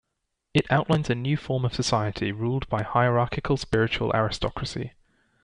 It outlines a new form of society ruled by hierarchical spiritual aristocracy.